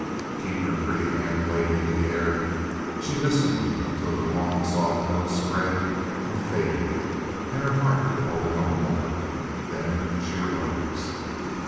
Keeping her pretty hand weighed in the air, she listened until the long, soft notes spread and faded and her heart could hold no more. Then she arose.